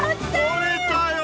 とれたよ。